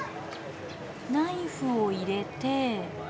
ナイフを入れて。